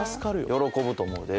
喜ぶと思うで。